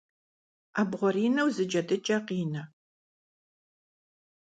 'ebğurineu zı cedıç'e khine